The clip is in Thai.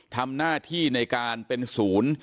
ทำหน้าที่ในการเป็นศูนย์